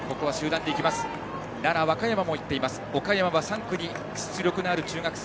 岡山は３区に実力ある中学生